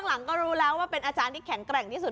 ก็ไปกันแล้วใช่ไหมเนี่ย